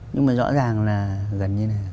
nhưng mà rõ ràng là gần như thế này